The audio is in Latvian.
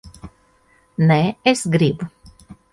Nē, es gribu.